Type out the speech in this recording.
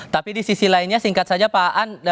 tapi di sisi lainnya singkat saja pak an